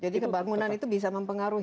jadi kebangunan itu bisa mempengaruhi